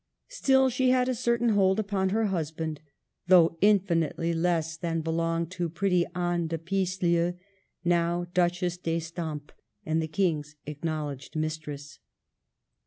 Still, she had a certain hold upon her husband, though infinitely less than belonged to pretty Anne de Pisseleu, now Duchess d'Estampes and the King's acknowledged mistress.